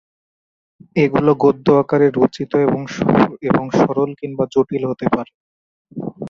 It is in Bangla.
এগুলো গদ্য আকারে রচিত এবং সরল কিংবা জটিল হতে পারে।